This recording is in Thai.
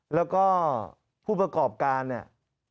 แล้วก็ผู้ประกอบการเนี่ย